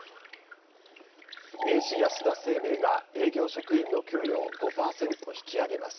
明治安田生命が営業職員の給与を５％引き上げます。